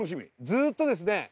ずーっとですね